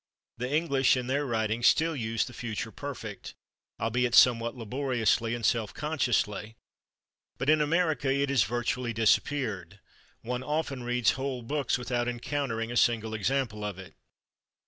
The English, in their writing, still use the future perfect, albeit somewhat laboriously and self consciously, but in America it has virtually disappeared: one often reads whole books without encountering a single example of it.